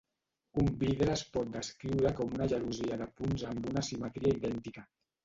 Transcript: Un vidre es pot descriure com una gelosia de punts amb una simetria idèntica.